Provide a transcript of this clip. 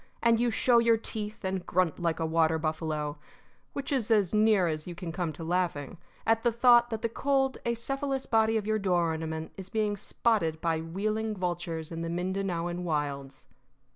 And you show your teeth and grunt like a water buffalo which is as near as you can come to laughing at the thought that the cold, acephalous body of your door ornament is being spotted by wheeling vultures in the Mindanaoan wilds.